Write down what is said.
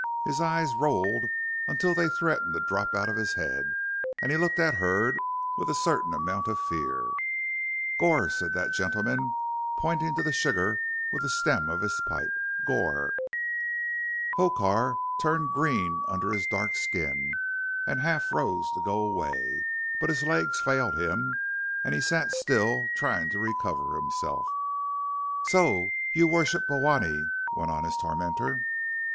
His eyes rolled until they threatened to drop out of his head, and he looked at Hurd with a certain amount of fear. "Goor," said that gentleman, pointing to the sugar with the stem of his pipe, "goor!" Hokar turned green under his dark skin, and half rose to go away, but his legs failed him, and he sat still trying to recover himself. "So you worship Bhowanee?" went on his tormentor.